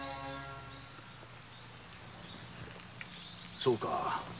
そうか。